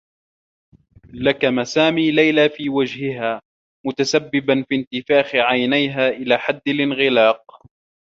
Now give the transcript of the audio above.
لكم سامي ليلى في وجهها، متسبّبا في انتفاخ عينها إلى حدّ الانغلاق.